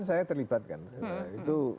saya terlibatkan itu